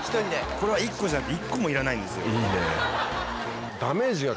これは１個じゃなくて１個もいらないんですよ。